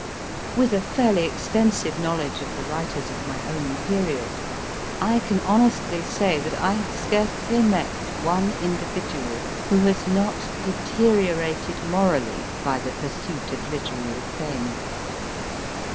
With a fairly extensive knowledge of the writers of my own period, I can honestly say that I have scarcely met one individual who has not deteriorated morally by the pursuit of literary Fame.